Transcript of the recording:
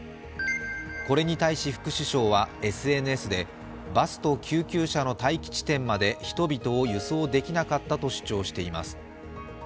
これに対し、副首相はＳＮＳでバスと救急車の待機地点まで人々を輸送できなかったと主張しています。